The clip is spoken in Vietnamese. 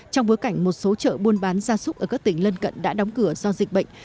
trong bối cảnh một số chợ buôn bán gia súc ở các tỉnh lân cận đã đóng cửa do dịch bệnh